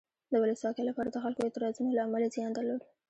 د ولسواکۍ لپاره د خلکو اعتراضونو له امله زیان درلود.